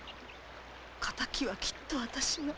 敵はきっと私が！